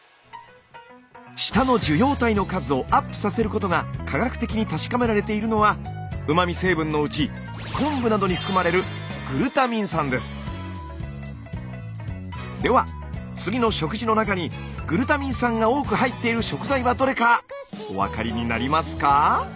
舌の受容体の数をアップさせることが科学的に確かめられているのはうま味成分のうち昆布などに含まれるでは次の食事の中にグルタミン酸が多く入っている食材はどれかお分かりになりますか？